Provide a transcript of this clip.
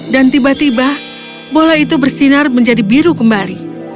dan tiba tiba bola itu bersinar menjadi biru kembali